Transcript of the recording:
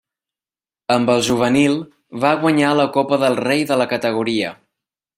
Amb el juvenil, va guanyar la Copa del Rei de la categoria.